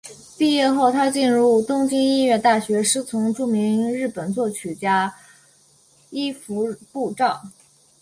毕业后她进入东京音乐大学师从著名日本作曲家伊福部昭。